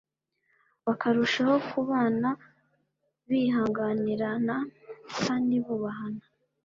bakarushaho kubana bihanganirana kandi bubahana